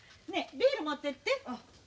ビール持ってって。